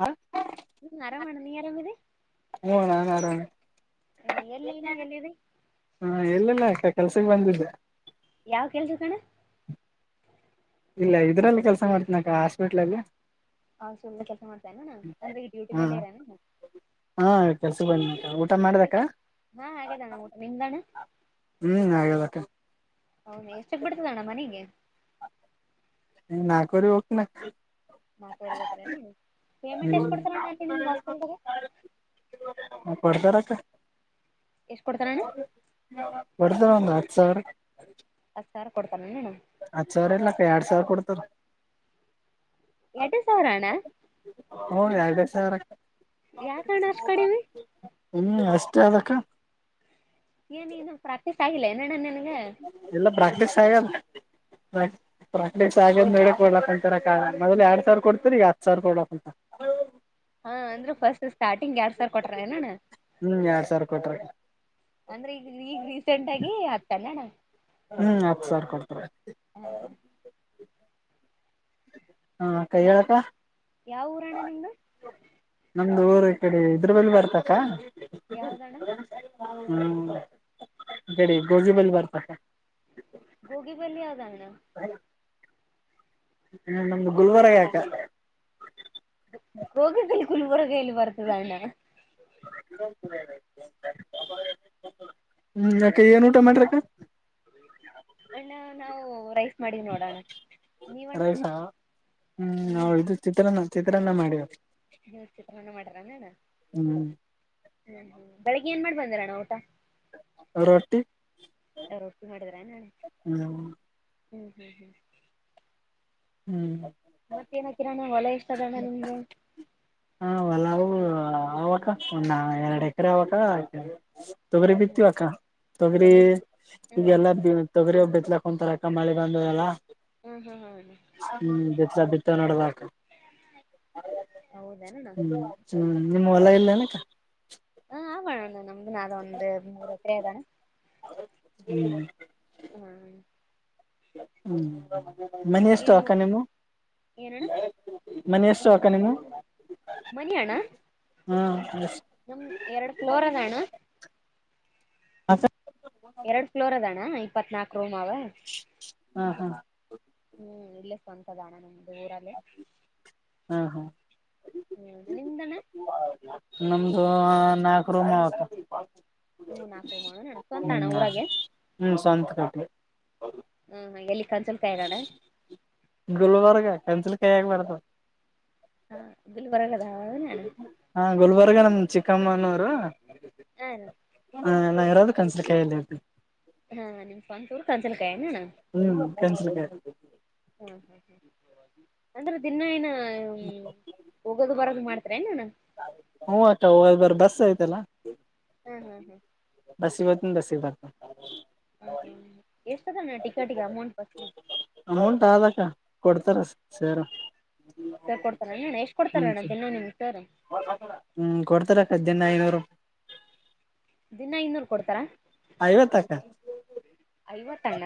ಹ ಹ್ಮ್ ಅರಾಮಣ ನೀ ಅರಾಮದೆ ಎಲ್ಲಿದಿ ಹಾ ಎಲ್ಲೆಲ್ಲ ಕೆಲ್ಸಕ್ಕೆ ಬಂದಿದ್ದೆ. ಯಾವ ಕೆಲ್ಸ ಕಣ. ಇಲ್ಲ ಇದ್ರಲ್ಲಿ ಕೆಲಸ ಮಾಡ್ತೀನಕ ಹಾಸ್ಪಿಟ್ಲಲ್ಲಿ. ಹಾಸ್ಪಿಟಲ್ ದಾಗ ಕೆಲಸ ಮಾಡ್ತಿರೆನ್ ಅಣ್ಣ ಅಂದ್ರೆ ಈ ಡ್ಯೂಟಿ ಹಾ ಮೇಲೆ ಈರಿ ಏನ್ ಅಣ್ಣಾ. ಹಾ ಕೆಲ್ಸ ಬನ್ನಿ ಊಟ ಮಾಡ್ದಕ್ಕ. ಎಷ್ಟು ಹಾ ಆಗ್ಯದ ಅಣ್ಣ ಊಟ ನಿಮ್ದಣ್ಣ ಹ್ಮ್ ಆಗ್ಯಾದಕ್ಕ. ಹೌದ ಎಷ್ಟಕ್ ಬಿಡ್ತದಣ್ಣ ಮನೆಗೆ. ನಕುವರಿಗೆ ಹೋಗ್ತೀನಿ ಅಕ್ಕಾ. ನಾಲ್ಕವರೆಗೆ ಹೋತಿರೆನ್ ಪೇಮೆಂಟ್ ಎಷ್ಟ್ ಹ್ಮ್ ಕೊಡ್ತಾರ ನಿಮ್ಗೆ ಹಾಸ್ಪೆಟಲ್ ದಾಗ. ಹ ಪಡ್ತ ಎಷ್ಟ್ ಕೊಡ್ತಾರಣ್ಣ ಕೊಡ್ತಾರಾ ಒಂದು ಹತ್ತು ಸಾವಿರ. ಹತ್ತು ಸಾವಿರ ಕೊಡ್ತಾ. ಹತ್ ಸಾವಿರ ಇಲ್ಲಕ್ಕ ಎರಡ್ ಸಾವಿರ ಕೊಡ್ತಾರ. ಎರಡೇ ಸಾವಿರ ಅಣ್ಣಾ. ಹೂ ಎರಡು ಸಾವಿರಕ್ಕ ಯಾಕಣ್ಣ ಅಷ್ಟ್ ಕಡಿಮೆ ಹ್ಮ ಅಷ್ಟೆ. ಯಾದಕ್ಕ ಏನಿನು ಪ್ರಾಕ್ಟೀಸ್ ಆಗಿಲ್ಲ ಏನ್ ಅಣ್ಣಾ ನಿನಗ. ಸ [unintelligible] ಪ್ರಾಕ್ಟೀಸ್ ಆಗ ಮೇಲೆ ಕೊಡ್ಲಕ್ಂತರ ಮೊದಲು ಎರಡ್ ಸಾವಿರ ಕೊಡ್ತೀರಿ ಈಗ ಹತ್ ಸಾವಿರ ಕೊಡ್ಲಕ್ಂತ ಹಾ ಅಂದ್ರರು ಫಸ್ಟ್ ಸ್ಟಾರ್ಟಿಂಗ್ ಎರಡು ಸಾವಿರ ಕೊಟ್ರ ಏನ್ ಅಣ್ಣಾ. ಹ್ಮ್ ಎರಡ್ ಸಾವಿರ ಕೊಟ್ರ ಅಂದ್ರೆ ಈಗ ಈಗ ರೀಸೆಂಟ್ ಆಗಿ ಹತ್ತ ಏನ್ ಅಣ್ಣಾ. ಹ್ಮ್ ಹತ್ ಸಾರ್ ಕೊಡ್ತಾರ. ಹಾ ಹಾ ಹಾ ಅಕ್ಕ ಮತ್ ಹೇಳಕ್ಕ. ಯಾವ ಊರಣ್ಣ ನಿಮ್ದ. ಒಮ್ ಊರು ಕಡೆ ಇದ್ರ ಬಲ್ಲಿ ಬರ್ತಕ್ಕ. ಯಾವ್ದಣ್ಣ ಹ್ಮ್ ಈಕಡಿ ಗೋಜುಬಲ್ಲಿ ಬರ್ತ ಅಕ್ಕಾ. ಗೋಗಿ ಬಲ್ಲಿ ಯಾವ್ದ ಅಣ್ಣಾ. [unintelligible] ಹ್ಮ ನಮ್ದು ಗುಲ್ವರ್ಗ ಯಾಕ ಗೋಗಲ್ಲಿ ಕುಲ್ಬುರಗಲ್ಲಿ ಬರ್ತದ ಅಣ್ಣ. [inaudible] ಹ್ಮ್ ಅಕ್ಕ ಏನ್ ಊಟ ಮಾಡ್ರಕ್ಕ. ಅಣ್ಣ ನಾವು ರೈಸ್ ಮಾಡಿದ್ ನೋಡೋಣ ನೀವಣ್ಣ ರೈಸ ಹ್ಮ್ ನಾವು ಇದು ಚಿತ್ರಾನ್ನ ಚಿತ್ರಾನ್ನ ಮಾಡಿವ್ ನೀ ಚಿತ್ರಣ ಮಾಡರ ನಣ ಹ್ಮ್ ಹ್ಮ್ ಬೆಳಗ್ಗೆ ಏನ್ ಮಾಡ್ ಬಂದಾರಣ್ಣ ಊಟ. ರೊಟ್ಟಿ ರೊಟ್ಟಿ ಮಾಡಿದ್ರ ನಾ ಹ್ಮ್ ಹ್ಮ್ ಹ್ಮ್ ಹ್ಮ್ ಹ್ಮ್ ಮತ್ತ ಏನ ಹಕೀರಣ ಒಲೆ ಇಷ್ಟ ಅದಣ ನಿಮ್ಗೆ ಆವಕ ಒ ನ ಎರಡು ಎಕ್ಕರೆ ಯವಕ ತೊಗರಿ ಹ್ಮ್ ಹ್ಮ್ ಬಿತ್ತವಕ್ಕ ತೊಗರಿ ಹ್ಮ್ ಈಗಲ್ಲಾರ ತೊಗರಿ ಒಬ್ಬ ಇಲಕ್ಕ ಒಂತರಕ ಮಳಿ ಬಂದ ಎಲ್ಲಾ ಹ್ಮ್ ಹ್ಮ್ ಹ್ಮ್ ಹ್ಮ್ ಬಿತ್ ಬಿತ್ತ ನೋಡಕ ಹೌದನಣ್ಣ ಹ್ಮ ಹ್ಮ ನಿಮ್ಮ ಹೊಲ ಇಲ್ಲ ಅನಕ್ಕ ಹಾ ಆವಣಂದ ನಂಬ ನಾದ ಒಂದು ಮೂರ ಕದಾ ಹ್ಮ್ ಹ್ಮ್ ಮನೆ ಎಷ್ಟು ಏನ್ ಅಕ್ಕ ನೀವು ನಿಮ್ಮ ಏನಣ್ಣ ಮನ ಎಷ್ಟು ಅಕ ನಿಮ್ಮ ಮನಿಯಣ ಹ್ಮ್ ಬ ಎರಡು ಫ್ಲೋರದಣ ಅ ಎರಡು ಫ್ಲೋರ್ ಅದಣ್ಣ ಇಪ್ಪತ್ನಾಕೂರೂಮ್ ಅವ ಹಾ ಹಾ ಹ್ಮ ಇಲ್ಲೇ ಸ್ವಂತದಣ ನಮ್ದು ಊರಲ್ಲೇ ಹಾ ಹಾ ಹ್ಮ ನಿಮ್ದನ ನಮ್ದು ನಾಕ ರರು ಮಾವತ್ ನಿಮ್ವು ನಾಲ್ಕು ಮಾವನಣ್ಣ ಸ್ವಂತ ಅಣ್ಣ ಹ್ಮ್ ಊರಾಗೆ ಹ್ಮ್ ಶಂತಕಟ್ಟ ಹ್ಮ್ ಹ್ಮ ಎಲ್ಲಿ ಕನ್ಸಲ್ ಕಾಯರೋಣ ಗುಲಬರ್ಗ ಕಂಸಿಲ್ ಕೈಯಗ ಬಾರತ ಹಾ ಇಲ್ಲಿ ಬಲದಾವನಾನ ಹಾ ಗುಲ್ಬರ್ಗ ನಮ್ ಚಿಕ್ಕಮ್ಮನೂರು ಹಾ ಲ್ಲ ಇರೋದು ಕನ್ಸ ಕಾಯಲ್ಲಿದೆ ಹಾ ನಿಮ್ ಸ್ವಂತವರು ಕಂಚಲ ಹ್ಮ್ ಕೆನ್ಸ ಕ ಹಾ ಹಾ ಹ ಅಂದ್ರೆ ದಿನ ಏನ ಹೋಗೋದು ಬರೋದು ಮಾಡ್ತ ಹ ಆಕ್ಕ ಹ ಬರ್ ಬಸ್ ಐ್ತಲ್ಲಾ ಹ್ಮ್ ಹ್ಮ್ ಹ್ಮ್ ಹಂದ ಸ ಬರ್ತ ಹ ಹ್ಮ್ ಎಷ್ಟದಾನ ಟಿಕೆಟಿಗೆ ಅಮೌಂಟ್ ಬಕಿ ಅಮೌಂಟ್ ಆದಕ್ಕ ಕೊಡ್ತಾರ ಸೇರ ಸರ್ ಕೊಡ್ತಾರ್ಣ ಎಷ್ಟು ಕೊಡ್ತಾರ ಅಣ್ಣ ಬೆನ್ನ ನಿಮ್ ಸರ್ ಹ್ಮ್ ಕೊಡ್ತಾರ ಕದ್ದಿನ ಐನೂರು ದಿನಾ ಇನ್ನೂರು ಕೊಡ್ತಾರ. ಐವತ್ತಕ್ಕ ಐವತ್ತಣ್ಣ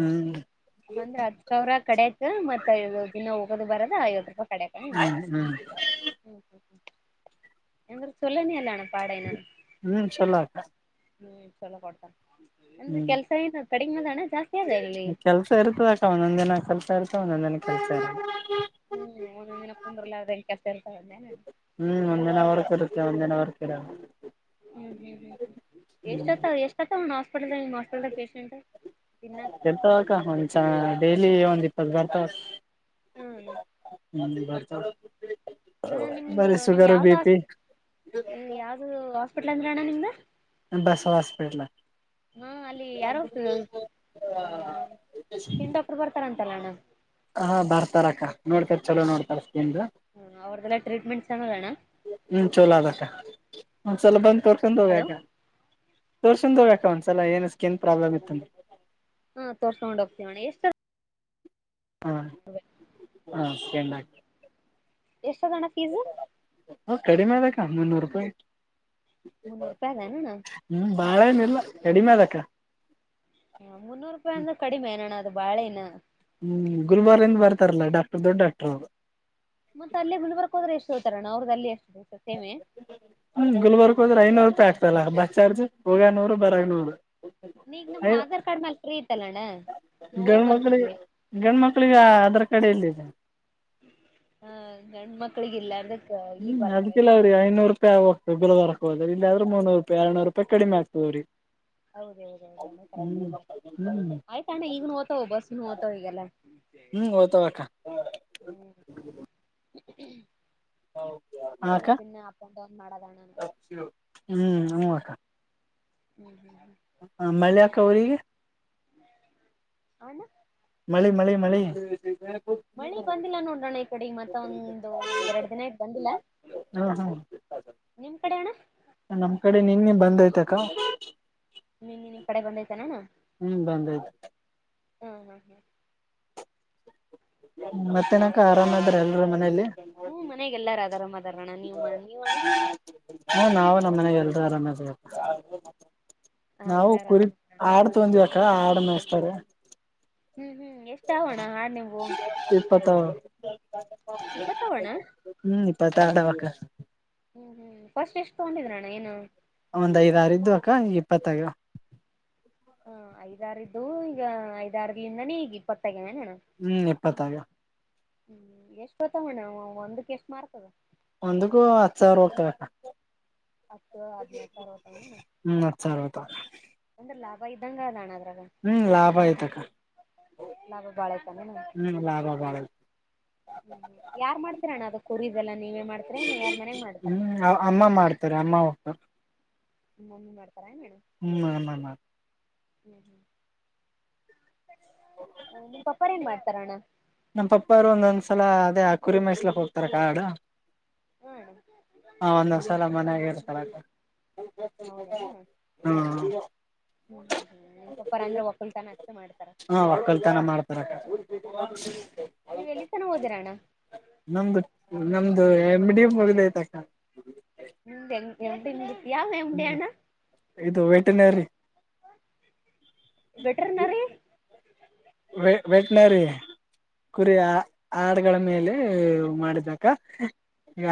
ಹ್ಮ್ ಅಂದ್ರ ಹತ್ತ ಸಾವಿರ ಕಡೇಕ ಮತ್ತ ಇದು ಇನ್ನು. ಅದು ಬರದಾ ಐವತ್ತು ರೂಪಾಯಿ ಕಡಕ ಹ್ಮ್ ಹ್ಮ್ ಹ ಹ ಅಂದ್ರ ಚಲೋನೆಅಲ್ಲ ಅಣ್ಣ ಪಾಡ ಹ್ಮ್ ಚೊಲೋ ಅಕ್ಕ. ಈ ಸಲ ಕೊಡ್ತಾರ. ಹ್ಮ್ ಇದು ಕಡಿಮಾದಣ್ಣ. ಕೆಲ್ಸ ಇರ್ತ ಅಷ್ಟೇ ಒಂದೊಂದ್ ದಿನ ಕೆಲ್ಸ ಇರ್ತ ಒಂದೊಂದ ದಿನ ಕೆಲ್ಸ ಇರ್ ಹ್ಮ್ ಒಂದೊಂದ ದಿನ ಕುಂದ್ರಲಾರ್ದೇ ಕೆಸ ಇರ್ತವನ್ದನ. ಚಂದನ ಅವರ ಕಡೆಯವರ. ಹ್ಮ್ ಹ್ಮ್ ಹ್ಮ್ ಹ್ಮ್ ಎಷ್ಟತ್ತ ಎಷ್ಟ ಹತ್ತಾವ ನೋ ದಿನ ಇರ್ತಾವಕ್ಕ ಒಂದ್ ಚ ಡೈಲಿ ಒಂದ್ ಇಪ್ಪತ್ತು ಬರ್ತಾವ ಹ್ಮ್ ನ ಬರ್ತ ಹ ನಿಮ್ದು ನೀವು್ ಯಾವ್ದ ಪಿ ಹಸ್ಪ ಯಾವ್ದ ಹಾಸ್ಪಿಟ್ಲ್ ಅಂದ್ರ ಅಣ್ಣ ನಿಮ್ದ ಬಸವ ಹಾಸ್ಪಿಟ್ಲ್ ಹಾ ಅಲ್ಲಿ ಯಾರೋ ಆ ಸ್ಕಿನ್ ಡಾಕ್ಟರ್ ಬರ್ತಾರಂತಲ್ಲ ಅಣ್ಣ ಹಾ ಬರ್ತಾರಕ್ಕ ನೋಡ್ತಾರ ಚಲೋ ನೋಡ್ತಾರ ಸ್ಕಿನ್ ದು. ಹ್ಮ್ ಅವ್ರದೆಲ್ಲ ಟ್ರೀಟ್ಮೆಂಟ್ ಚನ್ನದ ಅಣ್ಣ ಹ್ಮ ಚಲೋ ಅದಕ್ಕ ಒಂದ್ಸಲ ಬಂದ್ ತೋರ್ಸುಗೊಂದು ಹಲೋ ಹೊರೆಕ್ಕ. ತೋರ್ಸೊಂಡ ಹೋರಿ ಅಕ್ಕ ಒಂದ್ಸಲ ಏನ್ ಸ್ಕಿನ್ ಪ್ರಾಬ್ಲಮ್ ಇತ್ತುಂದ್ರ. ಹಾ ತೋರ್ಸ್ಕೊಂಡ್ ಹೋಗ್ತೀವಣ್ಣ ಎಷ್ಟ ಹಾ ಹ ಸೆನ್ಡ್ಹಾಕಿ ಎಷ್ಟ ಆದ ಅಣ್ಣ ಪೀಜು. ಹನ್ನನ್ನೂರು ರೂಪಾಯಿು ಮುನ್ನೂರು ರೂಪಾಯಿ ಅದಣ್ಣ ಹ್ಮ ಬಾಳ ಏನ ಇಲ್ಲ. ಕಡಿಮೆದಕ್ಕ ಹ ಮುನ್ನೂರು ರೂಪಾಯಿ ಅಂದ್ರ ಕಡಿಮೆ ಏನ್ ಅಣ್ಣ ಅದು ಬಾಳೆ ಇಲ್ಲಣ್ಣ. ಹ್ಮ್ ಗುರುವಾರಿಂದ ಬರ್ತಾರಲ್ಲಾ ಡಾಕ್ಟರ್ ದೊಡ್ಡ ಡಾಕ್ಟರ್ ಅವರು. ಮತ್ತ ಅಲ್ಲೇ ಗುಲ್ಬರ್ಗ ಹೋದ್ರ ಎಷ್ಟ ತೋತರಣ್ಣ ಅವ್ರದ ಅಲ್ಲೇ ಗುಲ್ಬರ್ಕ್ ಹೋದ್ರೆ ಐನೂರು ಅದೇ ಆಗ್ತಲ್ಲ ಬಸ್ ಚಾರ್ಜ್ ಹೋಗಾಗ್ ನೂರು ಬರಗ್ ನೂರು. ಐ ಇತ್ತಲ್ಲಣ್ಣ. ನೋವ ಗಂಡ ಮಕ್ಳಿಗೆ ಬರ್ತತಿ ಗಂಡ ಮಕ್ಳಿಗೆ ಆಧಾರ್ ಕಾರ್ಡ್ ಎಲ್ಲೈತಿ. ಹಾ ಗಂಡ ಮಕ್ಳಿಗ ಇಲ್ಲ ಅ್ರ ಹ್ಮ್ ಅದ್ಕಿಲ್ಲ ಅವ್ರೀ ಐನೂರು ರೂಪಾಯಿ ಆಗಬೇಕ್. ಡಬಲ್ ಹೋತಾವ್ ರೊಕ್ಕ ಅವರಿಗೆ ಇಲ್ಲಾದ್ರ ಮೂರ್ ನೂರು ರೂಪಾಯಿ ಎರಡನೂರು ರೂಪಾಯಿ ಕಡಿಮೆ ಆಗ್ತಾದ ಅವರಿಗೆ. ಹ ಹೌದ ಹೌದೌದು ಅಣ್ಣ ಕರೆಕ್ಟಾಗುತ್ತೆಳ ಹ್ಮ್ ಆಯ್ತ ಅಣ್ಣ ಈಗನು ಹೋತವು ಬಸ್ನು ಹೋತವು ಈಗ ಎಲ್ಲಾನು. ಹು ಹೋತವಕ್ಕ ಹ್ಮ್ಮ ಆ ಅಕ್ಕ ಡೌನ್ ಮಾಡದಣ್ಣ ಹ್ಮ್ ಹು ಅಕ್ಕ. ಹ್ಮ್ ಹ್ಮ್ ಸೌರಿಗೆ ಆ ಅಣ್ಣ ಮಳಿ ಮಳಿ ಮಳಿ ಮಳಿ ಬಂದಿಲ್ಲ ನೋಡ್ರೋಣ ಈ ಕಡೆ ಈಗ ಮತ್ತ ಒಂದು ಎರಡು ದಿನ ಆಯ್ತ ಬಂದಿಲ್ಲ. ಹಾ ಹಾ ನಿಮ್ ಕಡೆ ಅಣ್ಣ ನಮ್ ಕಡೆ ನಿನ್ನೆ ಬಂದೈ್ತಕ್ಕ ನಿನ್ನೆ ನಿಮ್ ಕಡೆ ಬಂದೈತೆಣ್ಣಾ ಹ್ಮ್ ಬಂದೈತಿ. ಹ್ಮ್ ಹಾ್ ಹ್ಮ್ ಮತ್ತೆನಕ ಆರಾಮ ಅದರ ಎಲ್ಲರೂ ಮನೆಯಲ್ಲಿ ಹ್ಮ್ ಮನ್ಯಾಗ ಎಲ್ಲಾರ ಆರಾಮ್ ಅದಾರಣ್ಣ ನೀವ್ ನೀವ್ ಅಣ್ಣ ಹು ನಾವ ಮನೆಯಗೆ ಎಲ್ರೂ ಆರಾಮದಿವಿ ಹಾ ನಾವು ಎಲ್ಲಾರ ಕುರಿ ಆರಾಮ್ ಆಡ್ತಂದವಿ ಅ ಆಡ ಮಸ್ತಾರೆ ಹ್ಮ್ ಹ್ಮ್ ಎಷ್ಟ ಆಗೋವ್ಣ ಆಡ್ ನಿವು ಇಪ್ಪತ್ತಾವ ಹ್ಮ್ ಇಪ್ಪತಾದವಕ ಹ್ಮ್ ಹ್ಮ್ ಫಸ್ಟ್ ಎಷ್ಟ ತಗೊಂಡಿದ್ರಣ್ಣ ಏನು ಒಂದ್ ಐದ್ ಆರು ಇದ್ದು ಅಕ್ಕ ಇಪ್ಪತ್ತಾಗವೆ ಹ ಐದಾರ ಇದ್ದುವು ಈಗ ಐದಾರಲಿಂದನೇ ಈಗ ಇಪ್ಪತ್ತೈ ಹ್ಮ್ ಇಪ್ಪತ್ತಾಗವ ಹ್ಮ್ ಎಷ್ಟು ಹೊತ್ತಾವಣ ಅವು ಒಂದಕ್ಕೆ ಎಷ್ಟ್ ಮಾರ್ತದ ಒಂದಕೂ ಹತ್ತು ಸಾವಿರ ಹೋಗ್ತಾವಕ್ಕ ಹತ್ತು ಹದಿನೈದು ಸಾವಿರ ಹೊತವೇನು ಹ್ಮ್ ಹತ್ ಸಾವಿರ ಹೋತಾವ ಅಂದ್ರೆ ಲಾಭ ಇದ್ದಂಗಣ ಅದು ಹ್ಮ್ ಲಾಭ ಐತಕ್ಕ ಲಾಭ ಬಾಳ ಐತೇನಣ್ಣ ಹ್ಮ್ ಲಾಭ ಬಾಳ ಹ್ಮ್ ಹು ಯಾರ್ ಮಾಡ್ತೀರಣ್ಣ ಅದ ಕುರಿದೆಲ್ಲಾ ನೀವೆ ಹ್ಮ್ ಅ ಅಮ್ಮ ಮಾಡ್ತಾರೆ ಅಮ್ಮ ನಿಮ್ಮಮ್ಮಿ ಮಾಡ್ ಹ್ಮ ನಮಮ್ಮಾ ಹ್ಮ್ ಹ್ಮ್ ನಿಮ್ ಪಪ್ಪಾರ್ ಏನ್ ಮಾಡ್ತಾರಣ್ಣ ಹೋಗ್ತಾರೆ ಆಡು ಹಾ ಅಣ್ಣ ಹ ಒಂದೊಂದ್ ಸಲ ಮನ್ಯಾಗ ಇರ್ತಾರಕ ಹೌದೆನ ಹ್ಮ ಹು ಹು ನಿಮ್ ಪಪ್ಪರು ಅಂದ್ರೆ ಒಕ್ಕುಲ್ ತನ ಅಂತ ಮಾಡ್ತಾರ ನಮ್ದ ನೀವ್ ಎಲ್ಲಿ ತನ ಓದಿರಣ್ಣ ನಮ್ [unintelligible] ಒಂದು ಎಮ್ ಡಿ ಮುಗ್ದತೆ ಅಕ ನಿಮ್ದು ಎಂ ಡಿ ಮುಗಿತು ಯಾವ್ ಎಂ ಡಿ ಅಣ್ಣ ತ್ತನರಿ [unintelligible] ವೆಟರ್ನರಿ ವೆ ವೆಟ್ನರಿ ಕುರಿ ಆ ಆಡ್ಗಳ ಮೇಲೆ ಮಾಡಿದಕ ಈಗ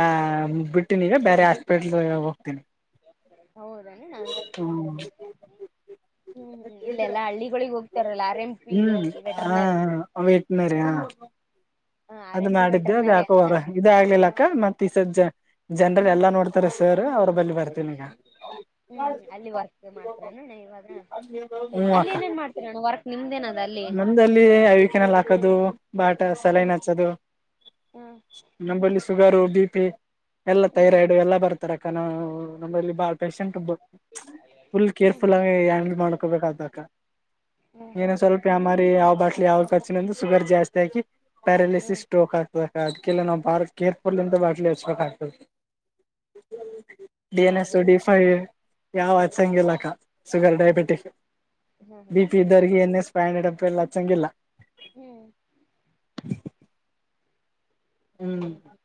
ಬಿಟ್ಟಿನೀ ಬೇರೆ ಹಾಸ್ಪಿಟ್ಲ್ ಹೋಗ್ತೀನಿ ಹೌದಣ್ಣ ಹ್ಮ್ ಹ್ಮ್ ಹ್ಮ್ ಇಲ್ಲೆಲ್ಲಾ ಹಳ್ಳಿಗಳಿಗ್ ಹೋಗ್ತಾರಲ್ಲ ಆ ಹ್ಮ್ ಹಹ ಅವೆಟ್ನಾರಿ ಹ ಹ ಆರ್ ಅದ್ ಎಂ ಪಿ ಮಾಡಿದ್ದೆ ಅದ್ ವೆಟರ್ನರಿ ಅನಣ ಯಾಕೋವಾರ ಇದ ಆಗ್ಲಿಲ್ಲಕ್ಕ ಮತ್ತ ಈ ಸಜ್ಜ ಜನರಲ್ ಎಲ್ಲಾ ನೋಡ್ತಾರೆ ಸರ್ ಅವ್ರ ಬಳಿ ಬರ್ತೀನ ಈಗ ಹ್ಮ್ ಹ್ಮ್ ಅಲ್ಲಿ ವರ್ಕ್ ಮಾಡ್ತಿರಣ್ಣ ಇವಾಗ ಹ್ಮ್ ಅಲ್ಲಿ ಅಕ್ಕ ಏನೇನ್ ಮಾಡ್ತರಣ್ಣ ವರ್ಕ್ ನಿಮ್ದೇನದ ಅಲ್ಲಿ ನಮ್ದಲ್ಲಿ ಐಕೆನಾಲ್ ಹಾಕದು ಬಾಟ ಹ್ಮ್ ಸಲೈನ ಹಚ್ಚೋದು ಹ್ಮ್ ನಮ್ಮಲ್ಲಿ ಶುಗರು ಬಿ ಪಿ ಎಲ್ಲ ಹ್ಮ್ ಥೈರಾಯ್ಡ್ ಎಲ್ಲ ಬರ್ತಾರಕ್ಕ ನಾವು ನಮ್ಮಲ್ಲಿ ಬಾಳ್ ಪೇೇಶಂಟ್ ಬತ್ ಫುಲ್ ಹ್ಮ್ ಕೇರ್ಫುಲ್ ಹ್ಮ್ ಆಗಿ ಹ್ಯಾಂಡಲ್ ಮಾಡ್ಕೋಬೇಕಕ್ಕ ಹ್ಮ್ ಹ್ಮ್ ಹ್ಮ್ ಅಂದ್ರೆ ಯಮರಿ ನಿಮ್ ಯಾವ್ ಬಾಟ್ಲಿ ಯಾವ್ದ ಖರ್ಚನದು ಶುಗರ್ ಜಾಸ್ತಿ ಹಾಕಿ ಹ್ಮ್ ಪ್ಯಾರಾಲಿಸಿಸ್ ಸ್ಟೂಕ್ ಆಗ್ತದೆ ಅದಕ್ಕೆಲ್ಲ ನಾವು ಬಾರಿ ಕೇರ್ ಪುಲಿಂದ ಬಾಟ್ಲಿ ಹಚ್ಬೇಕ ಆಗ್ತದೆ ಡಿ ಎನ್ ಎಸ್ ಹೌದನ ಡಿ ಫೈ ಯಾವ ಅಚ್ಛಹಂಗಿಲಕ್ಕ ಹ ಶುಗರ್ ಡಯಾಬಿಟಿಕ್ ಹಾ ಹಾ ಬಿ ಪಿ ಅಷ್ಟೇ ಮಾಡ ಇದ್ದವರ್ರಿಗೆ ಏನ್ ಎಸ್ ಫೈವ್ ಹಂಡ್ರೆಡ್ ಅಪ್ರಲ್ ಹಚ್ಚಂಗಿಲ್ಲ ಹ್ಮ್ ಹ್ಮ್ ಹ್ಮ ಹ್ಮ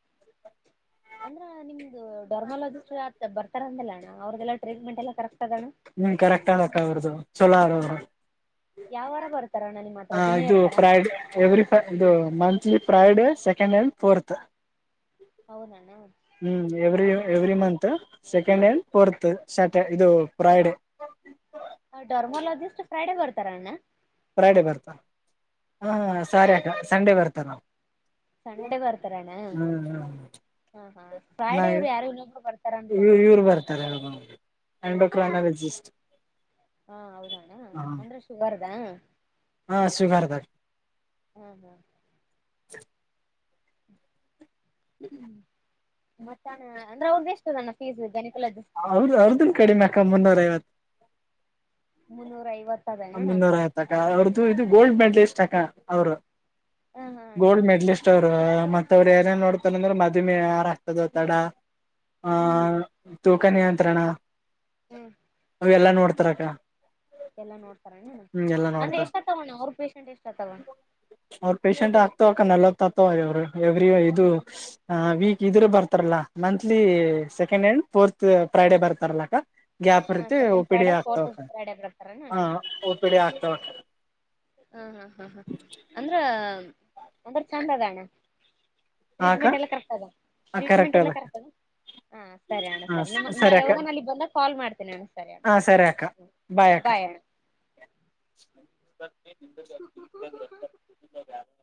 ಅಂದ್ರ ನಿಮ್ದು ಡರ್ಮಾಲೋಜಿಸ್ಟ್ ಬರ್ತಾರ ಅಂತಲ್ಲಣ್ಣ ಅವ್ರಗೆಲ್ಲ ಟ್ರೀಟ್ಮೆಂಟ್ ಎಲ್ಲ ಕರೆಕ್ ಹ್ಮ್ ಕರೆಕ್ಟ್ ಆಗಕ್ಕ ಅವರದು ಚಲೋ ಅವ್ರು ಯಾವ ವಾರ ಬರ್ತ ಹ ಇದು ಫ್ರೈಡೆ ಎವ್ರಿ ಫ ಇದು monthly Friday second and fourth ಹೌದಣ್ಣ ಹ್ಮ್ every every month second and fourth ಇದು ಫ್ರೈಡೇ ಡರ್ಮೋಲಜಿಸ್ಟ್ ಫ್ರೈಡೆ ಬರ್ತಾರ ಅಣ್ಣ ಫ್ರೈಡೇ ಬರ್ತಾರ ಹ ಸಾರಿ ಅಕ ಸಂಡೇ ಬರ್ತಾರೆ ನಾವು ಸಂಡೆ ಬರ್ತಾರಾ ಅಣ್ಣ ಹ್ಮ್ ಹಾ ಹಾ ನಾ ಫ್ರೈಡೇ ಅವರು ಯಾರು ಇಲ್ಲೊಬ್ರು ಬರ್ತಾರ ಅನ್ಕೊಂಡಿದ್ದು ಎಂಡೋಕ್ನಾಲಜಿಸ್ಟ್ ಕ್ರನಾಲಜಿಸಟ್ ಹಾ ಹೌದಣ್ಣ ಅಂದ್ರೆ ಶುಗರ್ದ ಹಾ ಶುಗರ್ ದು ಹಾ ಹ್ಮ್ [unintelligible] ಹೌ ಫೀಸ್ ಹೌದು ಗಣಿಕಲದ ಅಕ್ಕ ಅವರದು ಕಡಿಮೆ ಮುನ್ನೂರು ಐವತ್ತು [inaudible] ಮುನ್ನೂರ ಐವತ್ತು ಮುನ್ನೂರು ಐವತ್ತಕ ಅವ್ರದ್ದು ಇದು ಗೋಲ್ಡ್ ಮೆಡ್ಲಿಸ್ಟ್ ಅಕ್ಕ ಅವ್ರು ಹಾ ಹಾ ಅಣ್ಣ ಗೋಲ್ಡ್ ಮೆಡಲಸ್ಟ್ ಮತ್ತ ಅವ್ರು ಏನೇಏನ್ ನೋಡ್ತಾರಂದ್ರೆ ಮದುಮೆ ಯಾರ ಆಗ್ತದ ತಡ ಆ ಹ್ಮ್್ಮ ತೂಕ ನಿಯಂತ್ರಣ ಅವೆಲ್ಲಾ ನೋಡ್ತಾರಕ ಅಕ್ಕ ಎಲ್ಲಾ ನೋಡ್ತಾರಣ್ಣ ಹ್ಮ ಎಲ್ಲ ಅಂದ್ರೆ ನೋಡ್ತ ಎಷ್ಟತವಣ್ಣ ಅವ್ರ ಪೇಶೆಂಟ್ ಎಷ್ಟತವ ಅವ್ರ ಪೇಶಂಟ್ ಆಗ್ತವಕ್ಕ ನಲವತ್ತು ಹಗಿತವಕ್ಕ ಮಂತ್ರಿ visit second and fourth Friday ಬರ್ತಾರಲ್ಲಕ್ಕ ಗ್ಯಾಪ್ ಹಾ ಇರುತ್ತೆ ಒ ಸೆಕೆಂಡ್ ಪಿ ಡಿ ಫ್ರೈಡೆ ಬರ್ತಾರೆ ಫೋರ್ಥ್ ಆಗ್ತಾವಕ್ಕ ಫ್ರೈಡೆ ಬರ್ತಾರೆ ಹ ನಾನು ಒ ಆಗ್ತಾವ ಹಾ ಹಾ ಹಾ ಹಾ ಅಂದ್ರ ಅಂದ್ರ ಚಂದದಣ್ಣ ಹಾ ಅಕ್ಕ ಟ್ರೀಟ್ಮೆಂಟ್ ಎಲ್ಲ ಕರೆಕ್ಟ್ ಅದ ಟ್ರೀಟ್ಮೆಂಟ್ ಎಲ್ಲ ಕರೆಕ್ಟ್ ಅದ ಹಾ ಸರಿ ಅಣ್ಣ ಹ ಸರಿ ನಮ್ಮ ನಾ ಅಕ್ಕ ಯಾವಾಗ ಅಲ್ಲಿಗ್ ಬಂದಾಗ ಕಾಲ್ ಮಾಡ್ತೇನಿ ಅಣ್ಣ ಸರಿ ಅಣ್ಣ ಬೈ ಅಕ್ಕ ಬಾಯ್ ಅಣ್ಣ [unintelligible]